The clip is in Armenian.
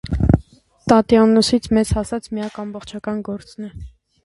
Տատիանոսից մեզ հասած միակ ամբողջական գործն է։